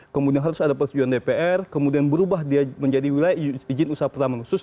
kemudian harus ada persetujuan dpr kemudian berubah dia menjadi wilayah izin usaha pertama khusus